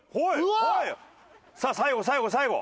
さあ最後最後最後。